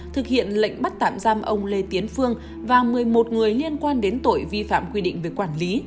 thực hiện lệnh bắt tạm giam ông lê tiến phương và một mươi một người liên quan đến tội vi phạm quy định về quản lý